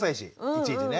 いちいちね。